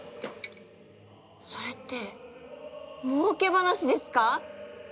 それってもうけ話ですか？